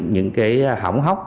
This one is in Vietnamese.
những cái hỏng hóc